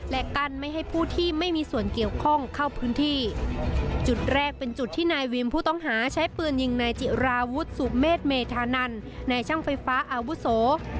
และกั้นไม่ให้ผู้ที่ไม่มีส่วนเกี่ยวข้องเข้าพื้นที่จุดแรกเป็นจุดที่นายวิมผู้ต้องหาใช้ปืนยิงนายจิราวุฒิสุเมษเมธานันนายช่างไฟฟ้าอาวุโส